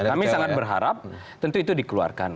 kami sangat berharap tentu itu dikeluarkan